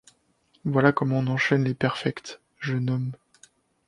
Voilà comment on enchaîne les perfects, jeune homme !